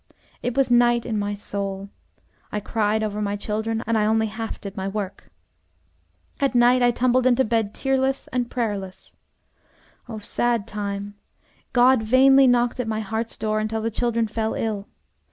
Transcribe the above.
It was night in my soul. I cried over my children, and I only half did my work. At night I tumbled into bed tearless and prayerless. Oh, sad time! God vainly knocked at my heart's door until the children fell ill.